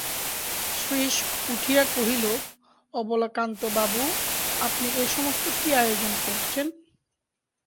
শ্রীশ উঠিয়া কহিল, অবলাকান্তবাবু, আপনি এ-সমস্ত কী আয়োজন করেছেন?